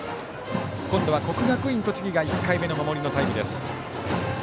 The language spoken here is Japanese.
今度は国学院栃木が１回目の守りのタイムです。